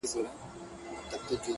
ستا سترگو كي بيا مرۍ؛ مرۍ اوښـكي؛